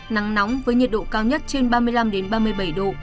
nắng nóng với nhiệt độ cao nhất trên ba mươi năm ba mươi bảy độ